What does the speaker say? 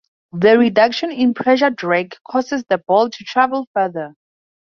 The reduction in pressure drag causes the ball to travel farther.